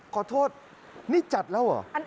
ขอโทษนี่จัดแล้วเหรอ